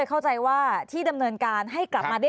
เจ้าหน้าที่แรงงานของไต้หวันบอก